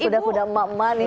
kuda kuda emak emak nih